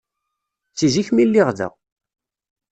Si zik mi lliɣ da.